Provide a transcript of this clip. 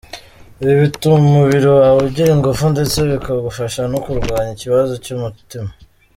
Ibi bituma umubiri wawe ugira ingufu ndetse bikagufasha no kurwanya ikibazo cy’umutima.